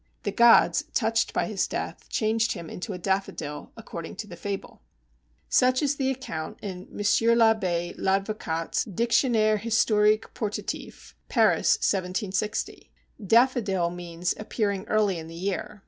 The Gods, touched by his death, changed him into a Daffodil, according to the fable." Such is the account in M. l'Abbé Ladvocat's Dictionnaire Historique Portatif, Paris, 1760. Daffodil means appearing early in the year.